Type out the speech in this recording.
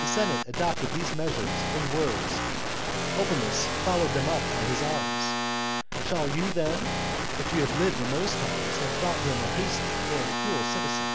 The senate adopted these measures in words, Opimius followed them up by his arms. Should you then, if you had lived in those times, have thought him a hasty or a cruel citizen?